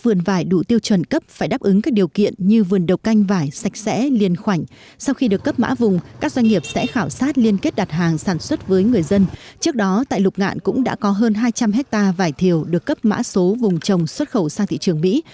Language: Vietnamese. vườn vải đủ tiêu chuẩn cấp phải đáp ứng các điều kiện như vườn đầu canh vải sạch sẽ liên khoảnh sau khi được cấp mã vùng các doanh nghiệp sẽ khảo sát liên kết đặt hàng sản xuất với người dân trước đó tại lục ngạn cũng đã có hơn hai trăm linh hectare vải thiều được cấp mã số vùng trồng xuất khẩu sang thị trường mỹ